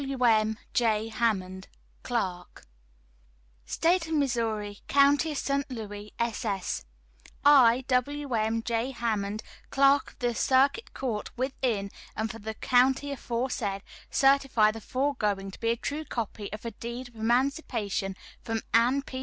S.] "WM. J. HAMMOND, Clerk." "STATE OF MISSOURI, COUNTY OF ST. LOUIS. } SS. "I, Wm. J. Hammond, Clerk of the Circuit Court within and for the county aforesaid, certify the foregoing to be a true copy of a deed of emancipation from Anne P.